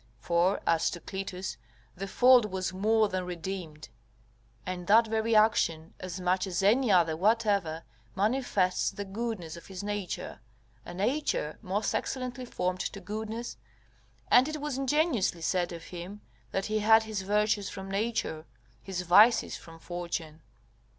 For, as to Clytus, the fault was more than redeemed; and that very action, as much as any other whatever, manifests the goodness of his nature, a nature most excellently formed to goodness; and it was ingeniously said of him, that he had his virtues from Nature, his vices from Fortune.